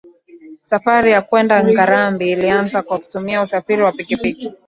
Safari ya kwenda Ngarambi ilianza kwa kutumia usafiri wa pikipiki